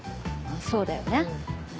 そうだよね。